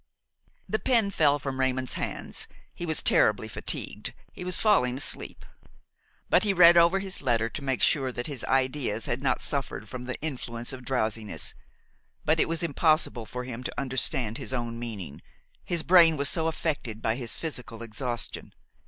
The pen fell from Raymon's hands; he was terribly fatigued, he was falling asleep. But he read over his letter to make sure that his ideas had not suffered from the influence of drowsiness; but it was impossible for him to understand his own meaning, his brain was so affected by his physical exhaustion.